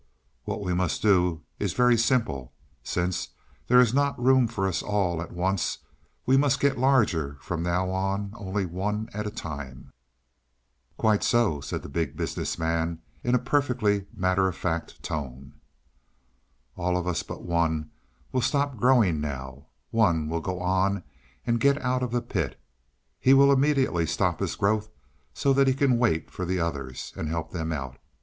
"What we must do is very simple. Since there is not room for us all at once, we must get large from now on only one at a time." "Quite so," said the Big Business Man in a perfectly matter of fact tone. "All of us but one will stop growing now; one will go on and get out of the pit. He will immediately stop his growth so that he can wait for the others and help them out.